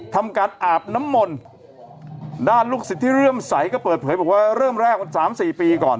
ทำการอาบน้ำมนต์ด้านลูกศิษย์ที่เริ่มใสก็เปิดเผยบอกว่าเริ่มแรกวันสามสี่ปีก่อน